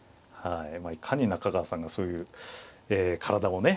いかに中川さんがそういう体をね